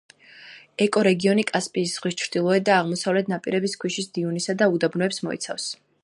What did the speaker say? ეკორეგიონი კასპიის ზღვის ჩღდილოეთ და აღმოსავლეთ ნაპირების ქვიშის დიუნებსა და უდაბნოებს მოიცავს.